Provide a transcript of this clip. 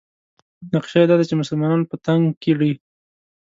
نقشه یې دا ده چې مسلمانان په تنګ کړي.